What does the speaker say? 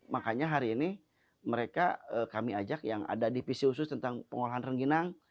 makanya hari ini mereka kami ajak yang ada di pc usus tentang pengolahan rengginang